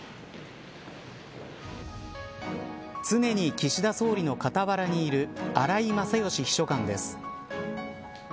常に、岸田総理の傍らにいる荒井勝喜秘書官です。